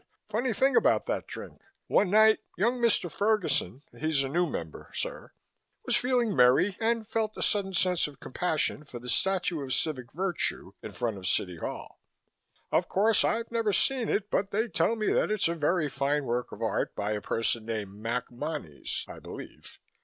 "Funny thing about that drink. One night, young Mr. Ferguson he's a new member, sir was feeling merry and felt a sudden sense of compassion for the statue of Civic Virtue in front of the City Hall. Of course, I've never seen it but they tell me that it's a very fine work of art, by a person named Mac Monnies, I believe.